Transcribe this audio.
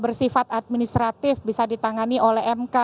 bersifat administratif bisa ditangani oleh mk